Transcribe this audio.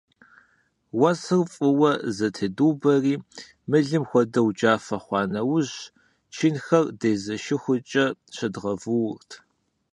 Уэсыр фӀыуэ зэтедубэрти, мылым хуэдэу джафэ хъуа нэужь, чынхэр дезэшыхукӀэ щыдгъэвуурт.